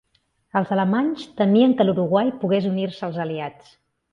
Els alemanys temien que l'Uruguai pogués unir-se als Aliats.